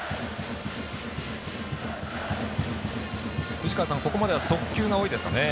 藤川さん、ここまでは速球が多いですかね。